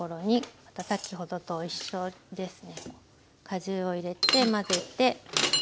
果汁を入れて混ぜて。